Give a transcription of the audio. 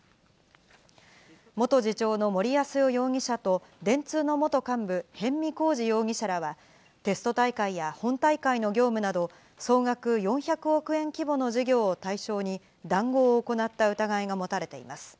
元次長の森泰夫容疑者と電通の元幹部、逸見晃治容疑者らは、テスト大会や本大会の業務など、総額４００億円規模の事業を対象に、談合を行った疑いが持たれています。